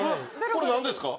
これなんですか？